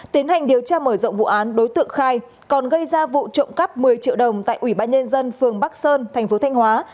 tiến hành điều tra mở rộng vụ án đối tượng khai còn gây ra vụ trộm cắp một mươi triệu đồng tại ủy ban nhân dân phường bắc sơn thành phố thanh hóa